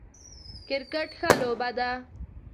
کرکټ ښه لوبه ده